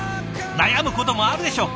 悩むこともあるでしょう。